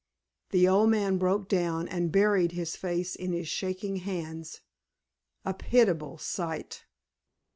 The old man broke down and buried his face in his shaking hands a pitiable sight.